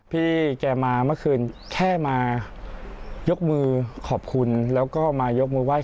พี่แกมาเมื่อคืนแค่มายกมือขอบคุณแล้วก็มายกมือไห้